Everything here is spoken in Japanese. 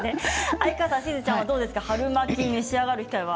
哀川さん、しずちゃんは春巻きを召し上がる機会は？